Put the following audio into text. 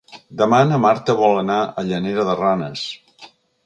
Demà na Marta vol anar a Llanera de Ranes.